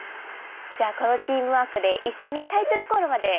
じゃあこのチームワークで一緒にタイトルコールまでしてしまいましょうか。